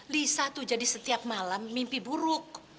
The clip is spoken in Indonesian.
lisa tuh jadi setiap malam mimpi buruk